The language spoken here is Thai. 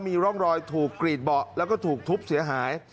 มีร่องรอยถูกกรีดเบาะแล้วก็ถูกทุบเสียหาย